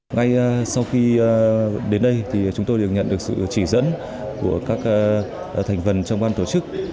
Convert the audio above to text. ngay sau khi đến đây thì chúng tôi đều nhận được sự chỉ dẫn của các thành phần trong ban tổ chức